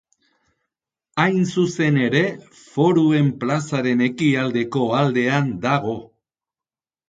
Hain zuzen ere, Foruen plazaren ekialdeko aldean dago.